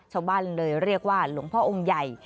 ชาวบ้านเลยเรียกว่าหลวงพ่อองค์ใหญ่